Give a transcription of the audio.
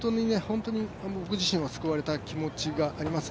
本当に僕自身は救われた気持ちがあります。